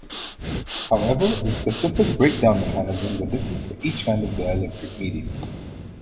However, the specific breakdown mechanisms are different for each kind of dielectric medium.